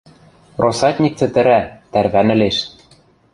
Россатник цӹтӹрӓ, тӓрвӓнӹлеш.